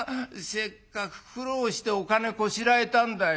せっかく苦労してお金こしらえたんだよ。